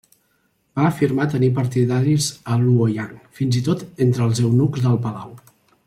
Va afirmar tenir partidaris a Luoyang, fins i tot entre els eunucs del palau.